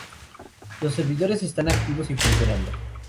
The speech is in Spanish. Los servidores están activos y funcionando.